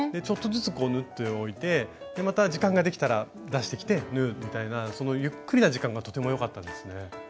ちょっとずつ縫っておいてまた時間ができたら出してきて縫うみたいなゆっくりな時間がとても良かったですね。